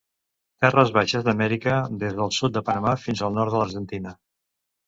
Terres baixes d'Amèrica des del sud de Panamà fins al nord de l'Argentina.